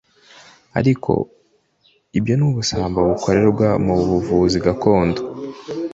ariko ibyo ni ubusambo bukorerwa mu buvuzi gakondo